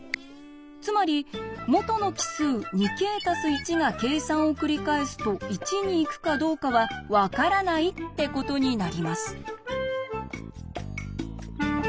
つまり元の奇数「２ｋ＋１」が計算をくりかえすと１に行くかどうかは分からないってことになります。